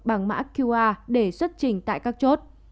bằng mã qr để xuất trình tại các chốt